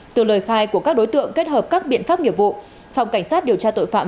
từ lời khai của các đối tượng kết hợp các biện pháp nghiệp vụ phòng cảnh sát điều tra tội phạm